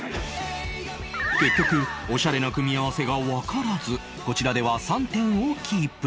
結局オシャレな組み合わせがわからずこちらでは３点をキープ